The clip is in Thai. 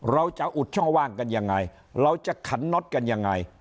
เราจะอุดช่องว่างกันยังไงเราจะขันน็อตกันยังไง